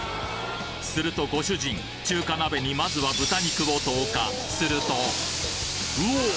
するとご主人中華鍋にまずは豚肉を投下するとうぉ！